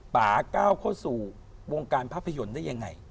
ป่าก้าวเข้าสู่วงการภาพยนตร์ได้ยังไง